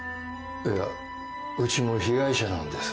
いやうちも被害者なんです。